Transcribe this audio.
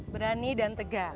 berani dan tegas